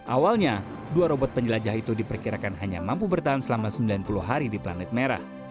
awalnya dua robot penjelajah itu diperkirakan hanya mampu bertahan selama sembilan puluh hari di planet merah